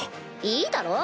いいだろ？